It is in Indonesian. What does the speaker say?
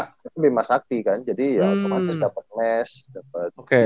itu bima sakti kan jadi ya otomatis dapet mes